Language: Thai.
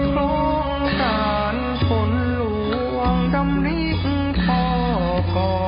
โทษกันคนหลวงจำนิ่งพ่อก่อเก่า